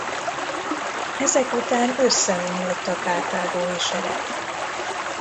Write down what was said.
Ezek után összeomlott a karthágói sereg.